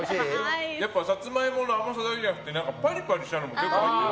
やっぱサツマイモの甘さだけじゃなくてパリパリしたのも入ってて。